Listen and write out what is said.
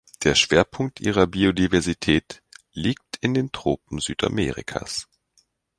Der Schwerpunkt ihrer Biodiversität liegt in den Tropen Südamerikas.